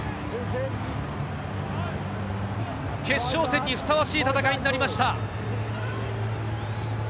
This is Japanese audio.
決勝戦にふさわしい戦いになりました。